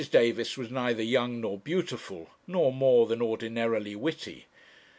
Davis was neither young nor beautiful, nor more than ordinarily witty.